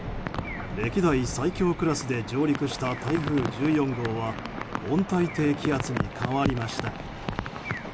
歴代最強クラスで上陸した台風１４号は温帯低気圧に変わりました。